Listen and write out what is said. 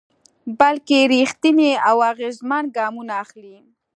بلکې رېښتيني او اغېزمن ګامونه اخلي.